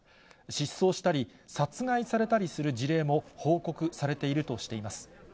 失踪したり、殺害されたりする事例も報告されているとしています。